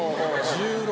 「１６」。